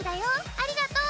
ありがとう」。